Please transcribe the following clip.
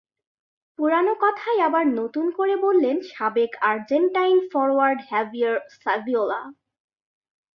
পুরোনো কথাই আবার নতুন করে বললেন সাবেক আর্জেন্টাইন ফরোয়ার্ড হাভিয়ের স্যাভিওলা।